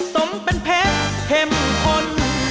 สมเป็นเพชรเข้มคน